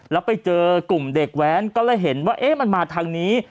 แล้วไปเจอกลุ่มเด็กแว้นก็เลยเห็นว่าเอ๊ะมันมาทางนี้